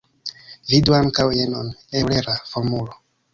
Vidu ankaŭ jenon: Eŭlera formulo.